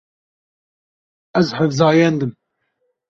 Ez hevzayend im.